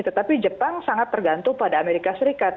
tetapi jepang sangat tergantung pada amerika serikat